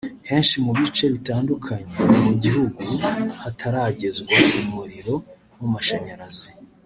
Henshi mu bice bitandukanye mu gihugu hataragezwa umuriro w’amashanyarazi